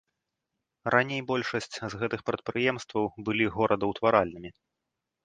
Раней большасць з гэтых прадпрыемстваў былі горадаўтваральнымі.